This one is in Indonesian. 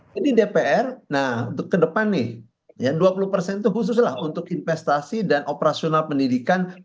jadi dpr nah untuk ke depan nih yang dua puluh itu khusus lah untuk investasi dan operasional pendidikan persekolahan dan pendidikan